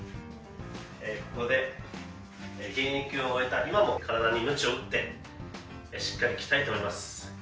ここで現役を終えた今も体にムチを打ってしっかり鍛えております。